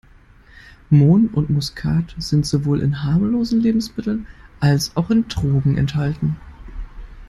Mohn und Muskat sind sowohl in harmlosen Lebensmitteln, als auch in Drogen enthalten.